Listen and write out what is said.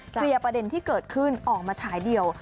เคลียร์ประเด็นที่เกิดขึ้นออกมาฉายเดียว